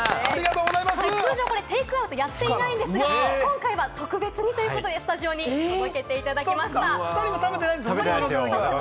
通常テイクアウトはやっていないんですが、今回は特別にということで、スタジオに届けていただきました。